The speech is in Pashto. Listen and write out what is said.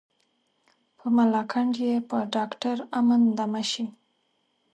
په ملاکنډ یې په ډاکټر امن دمه شي.